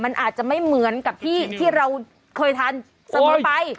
มันอาจจะไม่เหมือนกับที่เราเคยทานเสมอไป